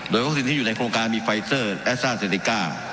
โดยก็สิ่งที่อยู่ในโครงการมีไฟเซอร์แอสซาร์เซลิก้า